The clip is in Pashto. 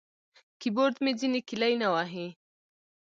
کیبورډ مې ځینې کیلي نه وهي.